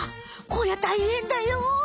こりゃ大変だよ！